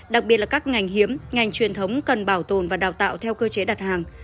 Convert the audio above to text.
đặc biệt là các ngành hiếm ngành truyền thống cần bảo tồn và đào tạo theo cơ chế đặt hàng